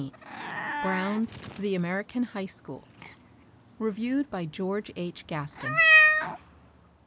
Brown's "The American High School" REVIEWED BY GEORGE H. GASTON.